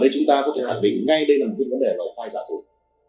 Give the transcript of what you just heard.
ở đây chúng ta có thể khẳng định ngay đây là một vấn đề lầu khoai giả rồi